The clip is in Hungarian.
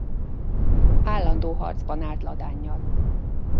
Állandó harcban állt Ladánnyal.